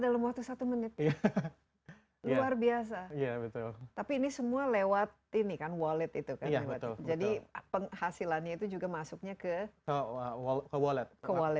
luar biasa tapi ini semua lewat ini kan wallet itu jadi hasilannya itu juga masuknya ke ke wallet